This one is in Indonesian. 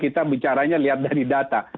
kita bicara dari data